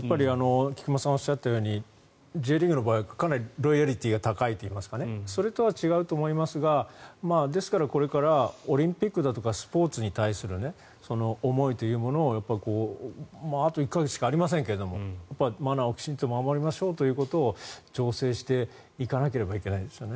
菊間さんがおっしゃったようにＪリーグの場合はかなりロイヤリティーが高いといいますかそれとは違うと思いますがですから、これからオリンピックだとかスポーツに対する思いというものをあと１か月しかありませんがマナーをきちんと守りましょうということを醸成していかなければいけないですかね。